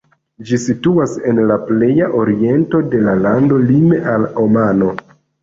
Ĝi situas en la pleja oriento de la lando, lime al Omano.